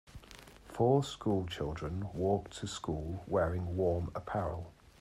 Four school children walk to school wearing warm apparel.